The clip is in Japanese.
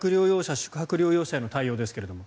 宿泊療養者への対応ですが。